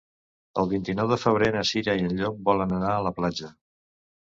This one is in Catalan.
El vint-i-nou de febrer na Cira i en Llop volen anar a la platja.